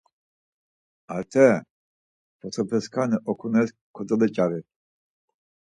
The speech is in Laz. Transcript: Arte, fotopeskani okunes kodoloç̌ari.